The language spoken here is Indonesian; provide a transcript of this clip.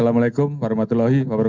assalamualaikum warahmatullahi wabarakatuh